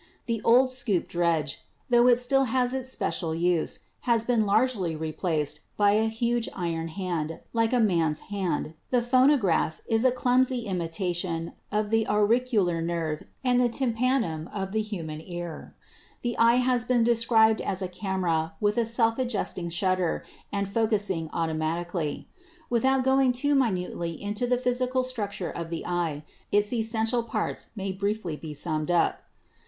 The old scoop dredge, tho it still has its special use, has been largely replaced by a huge iron hand like a man's hand; the phonograph is a clumsy imitation of the auricular nerve and tympanum of the human ear ; the eye has been described as a camera with a self adjusting shutter and focusing automatically. Without going too minutely into the physical structure of the eye, its essential parts may briefly be summed up.